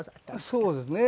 そうですね